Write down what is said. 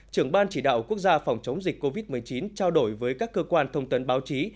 trưởng ban chỉ đạo quốc gia phòng chống dịch covid một mươi chín trao đổi với các cơ quan thông tấn báo chí